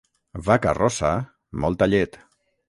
Vaca rossa, molta llet.